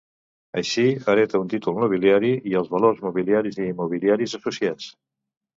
Així, hereta un títol nobiliari i els valors mobiliaris i immobiliaris associats.